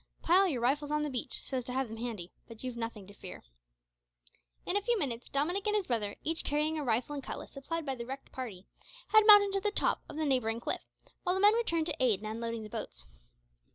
Pile your rifles on the beach, so as to have them handy; but you've nothing to fear." In a few minutes Dominick and his brother, each carrying a rifle and cutlass supplied by the wrecked party, had mounted to the top of the neighbouring cliff, while the men returned to aid in unloading the boats.